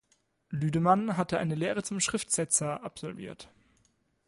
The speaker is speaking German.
Lüdemann hatte eine Lehre zum Schriftsetzer absolviert.